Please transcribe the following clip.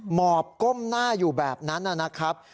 หมอบก้มหน้าอยู่แบบนั้นนะครับ